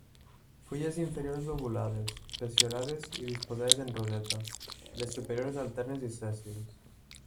Fulles inferiors lobulades, peciolades i disposades en roseta, les superiors alternes i sèssils.